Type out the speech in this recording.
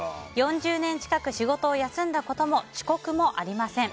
４０年近く仕事を休んだことも遅刻もありません。